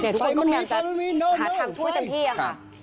ทุกคนก็พยายามจะหาทางช่วยเต็มที่ค่ะ